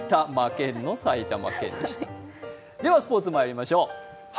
ではスポーツまいりましょう。